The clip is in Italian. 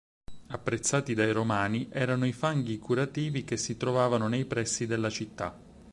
Apprezzati dai romani erano i fanghi curativi che si trovavano nei pressi della città.